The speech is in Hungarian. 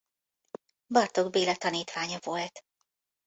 Bartók Béla tanítványa volt.